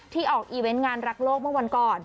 ออกอีเวนต์งานรักโลกเมื่อวันก่อน